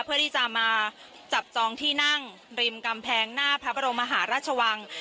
เพื่อที่จะมาจับจองที่นั่งริมกำแพงหน้าพระบรมมหาราชวัง